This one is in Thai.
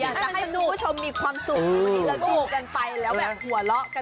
อยากจะให้ผู้ชมมีความสุขที่ระดูกกันไปแล้วแบบหัวเลาะกันไป